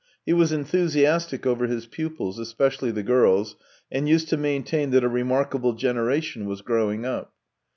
He was enthusiastic over his pupils, especially the girls, and used to maintain that a remarkable generation was growing up.